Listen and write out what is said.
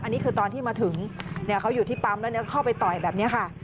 อันนี้คือตอนที่มาถึงเขาอยู่ที่ปั๊มแล้วเข้าไปต่อยแบบนี้ค่ะ